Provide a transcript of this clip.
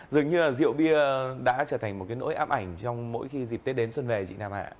dường như là rượu bia đã trở thành một nỗi ám ảnh trong mỗi khi dịp tết đến xuân về chị nam ạ